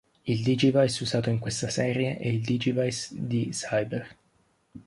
Il Digivice usato in questa serie è il Digivice D-Cyber.